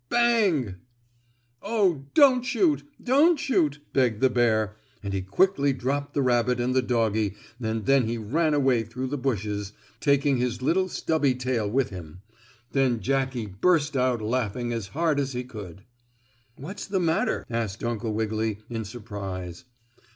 Bang!" "Oh, don't shoot! Don't shoot!" begged the bear, and he quickly dropped the rabbit and the doggie and then he ran away through the bushes, taking his little stubby tail with him. Then Jackie burst out laughing as hard as he could. "What's the matter?" asked Uncle Wiggily, in surprise.